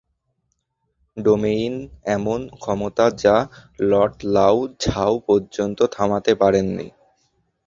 Domain এমন ক্ষমতা যা লর্ড লাও ঝাঁও পর্যন্ত থামাতে পারেননি।